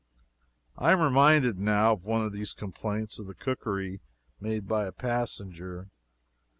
I am reminded, now, of one of these complaints of the cookery made by a passenger.